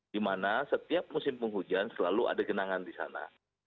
di mana setiap musim penghujan selalu ada genangan di sana